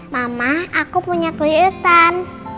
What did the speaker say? mama aku punya kejutan